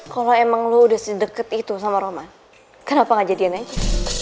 kalau emang lo udah sedekat itu sama roman kenapa gak jadiin aja